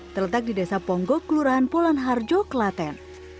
terletak di desa ponggo kelurahan polan harjo kelaten